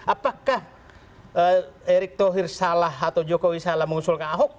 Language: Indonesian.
apakah erick thohir salah atau jokowi salah mengusulkan ahok